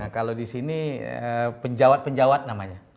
kalau di sini penjawat penjawat namanya